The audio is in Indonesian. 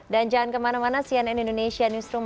dan jangan kemana mana cnn indonesia newsroom